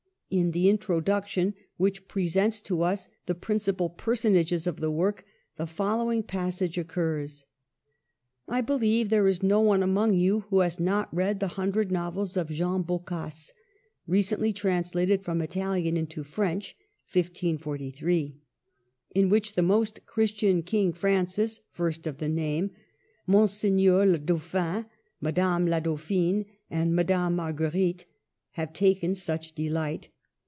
In the Introduc tion, which presents to us the principal person ages of the work, the following passage occurs :" I believe there is no one among you who has not read the hundred novels of Jean Boccace, recently translated from Italian into French , in which the most Christian King Francis, first of the name, Monseigneur le Dauphin, Madame la Dauphine, and Madame Marguerite have taken such delight